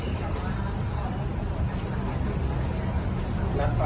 นัดฟังคำสั่งพิธีวันนี้๘ครับครับ